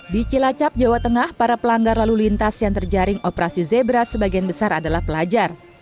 di cilacap jawa tengah para pelanggar lalu lintas yang terjaring operasi zebra sebagian besar adalah pelajar